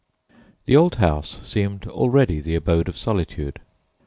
The old house seemed already the abode of Solitude.